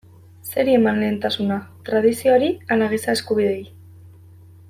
Zeri eman lehentasuna, tradizioari ala giza eskubideei?